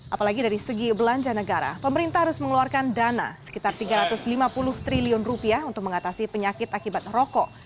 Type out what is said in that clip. apalagi dari segi belanja negara pemerintah harus mengeluarkan dana sekitar tiga ratus lima puluh triliun rupiah untuk mengatasi penyakit akibat rokok